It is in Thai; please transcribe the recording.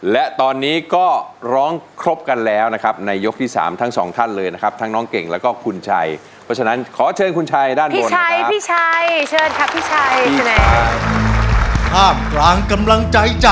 และตอนนี้ก็ร้องครบกันแล้วอย่างกันในยกที่๓ทั้ง๒ท่าน